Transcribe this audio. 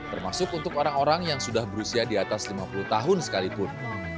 termasuk untuk orang orang yang sudah berusia di atas lima puluh tahun sekalipun